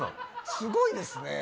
すごいですね。